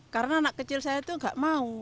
karena anak kecil saya itu gak mau